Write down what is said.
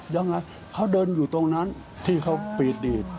ยังไงเขาเดินอยู่ตรงนั้นที่เขาปีดดีด